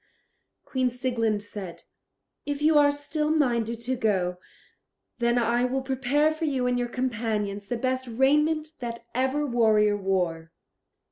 Queen Sieglind said: "If you are still minded to go, then I will prepare for you and your companions the best raiment that ever warrior wore."